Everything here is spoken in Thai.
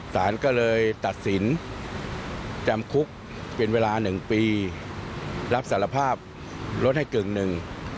สารก็เลยตัดสินจำคุกเป็นเวลาหนึ่งปีรับสารภาพลดให้กึ่งหนึ่ง